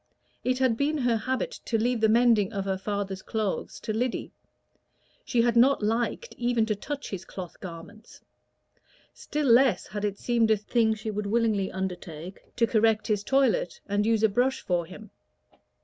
It had been her habit to leave the mending of her father's clothes to Lyddy; she had not liked even to touch his cloth garments; still less had it seemed a thing she would willingly undertake to correct his toilette, and use a brush for him.